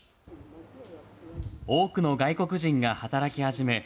多くの外国人が働き始め